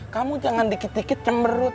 kamu jangan dikit dikit cemberut